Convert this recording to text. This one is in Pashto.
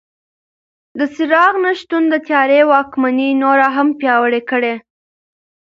د څراغ نه شتون د تیارې واکمني نوره هم پیاوړې کړه.